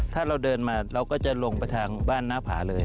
ถ้าเราเดินมาเราก็จะลงไปทางบ้านหน้าผาเลย